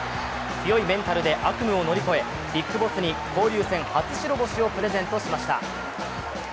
強いメンタルで悪夢を乗り越えＢＩＧＢＯＳＳに交流戦初白星をプレゼントしました。